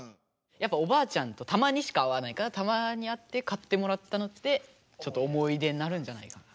やっぱおばあちゃんとたまにしか会わないからたまに会って買ってもらったのってちょっと思い出になるんじゃないかな。